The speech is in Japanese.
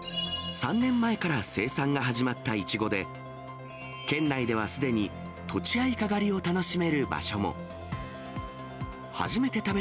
３年前から生産が始まったいちごで、県内ではすでに、とちあいか狩りを楽しめる場所も。